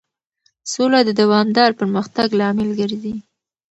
سوله د دوامدار پرمختګ لامل ګرځي.